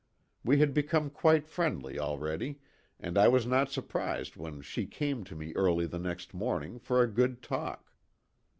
We had become quite friendly al ready and I was not surprised when she came to me early the next morning "for a good talk."